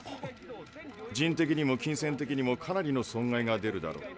人的にも金銭的にもかなりの損害が出るだろう。